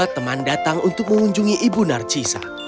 teman datang untuk mengunjungi ibu narcisa